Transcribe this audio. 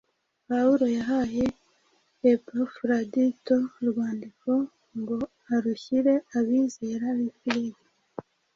Pawulo yahaye Epafuradito urwandiko ngo arushyire abizera b’i Filipi